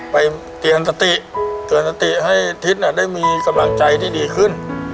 ไปเตือนสติเตือนสติให้ทิศได้มีกำลังใจที่ดีขึ้น